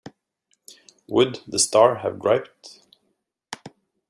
Would the Star have griped?